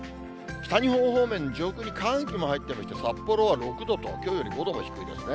北日本方面、上空に寒気も入ってきまして、札幌は６度と、きょうより５度も低いですね。